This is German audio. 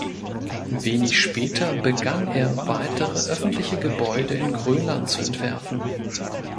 Wenig später begann er weitere öffentliche Gebäude in Grönland zu entwerfen.